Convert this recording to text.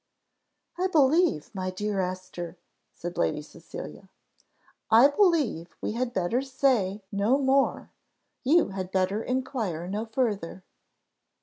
"I believe, my dear Esther," said Lady Cecilia, "I believe we had better say no more; you had better inquire no further."